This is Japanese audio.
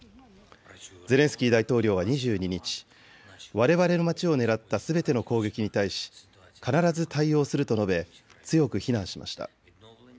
ゼレンスキー大統領は２２日、われわれの街を狙ったすべての攻撃に対し必ず対応すると述べ、強く非難しました。